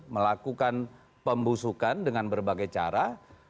melakukan pembusukan dengan berbagai cara